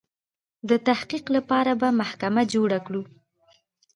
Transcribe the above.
د تحقیق لپاره به محکمه جوړه کړي.